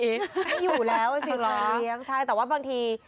เป็นอยู่แล้วสิสัตว์เลี้ยงใช่แต่ว่าบางที